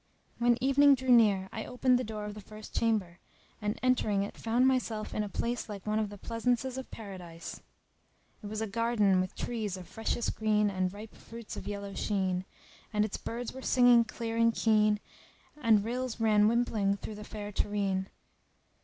When evening drew near I opened the door of the first chamber and entering it found myself in a place like one of the pleasaunces of Paradise. It was a garden with trees of freshest green and ripe fruits of yellow sheen; and its birds were singing clear and keen and rills ran wimpling through the fair terrene.